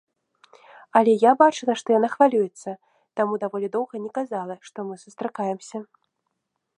Але я бачыла, што яна хвалюецца, таму даволі доўга не казала, што мы сустракаемся.